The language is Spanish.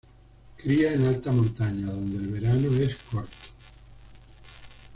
Cría en alta montaña, donde el verano es corto.